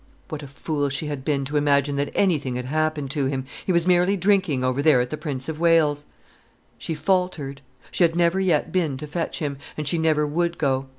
What a fool she had been to imagine that anything had happened to him! He was merely drinking over there at the 'Prince of Wales'. She faltered. She had never yet been to fetch him, and she never would go.